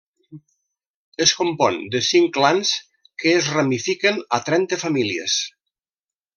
Es compon de cinc clans que es ramifiquen a trenta famílies.